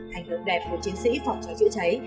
hành hương đẹp của chiến sĩ phòng cháy chữa cháy